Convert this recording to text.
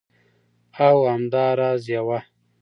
او همدا راز یوه